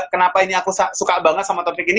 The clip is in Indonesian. kenapa ini aku suka banget sama topik ini